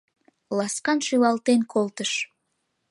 Ласкан шӱлалтен колтыш.